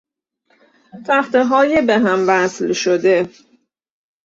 تختههای به هم وصل شده